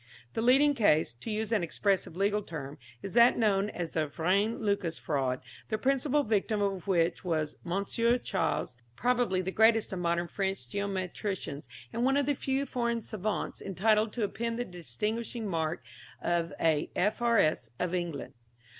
The leading case to use an expressive legal term is that known as the Vrain Lucas fraud, the principal victim of which was Mons. Chasles, probably the greatest of modern French geometricians, and one of the few foreign savants entitled to append the distinguishing mark of a F.R.S. of England.